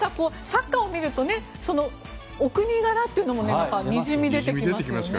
サッカーを見るとそのお国柄というのもにじみ出てきますね。